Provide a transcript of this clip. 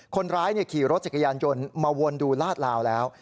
คนร้ายขี่รถจักรยานยนต์มาวนดูลาดลาวแล้ว